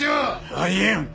あり得ん！